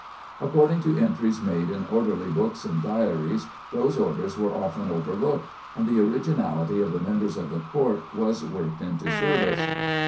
According to entries made in orderly books and diaries, those orders were often overlooked and the originality of the members of the court was worked into service.